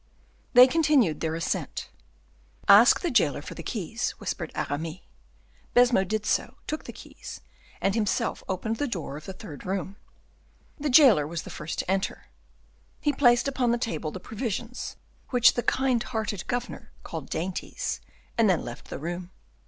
They continued their ascent. "Ask the jailer for the keys," whispered Aramis. Baisemeaux did so, took the keys, and, himself, opened the door of the third room. The jailer was the first to enter; he placed upon the table the provisions, which the kind hearted governor called dainties, and then left the room.